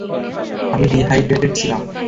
আমি ডিহাইড্রেটেড ছিলাম!